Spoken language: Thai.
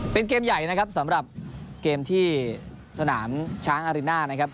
เป็นเกมใหญ่นะครับสำหรับเกมที่สนามช้างอาริน่านะครับ